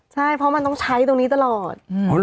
ใช่เพราะมันต้องใช้ตรงนี้ตลอด